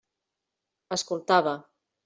Escoltava.